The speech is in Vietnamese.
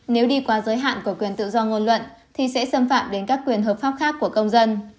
nếu đi qua giới hạn của quyền tự do ngôn luận thì sẽ xâm phạm đến các quyền hợp pháp khác của công dân